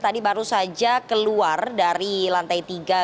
tadi baru saja keluar dari lantai tiga